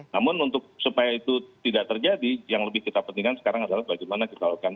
namun supaya itu tidak terjadi yang lebih kita pentingkan sekarang adalah bagaimana kita lakukan